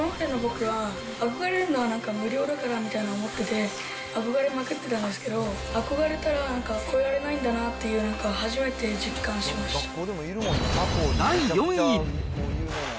今までの僕は、憧れるのは、なんか無料だからとか思ってて、憧れまくってたんですけど、憧れたら、なんか越えられないんだなっていうのをなんか実感しました第４位。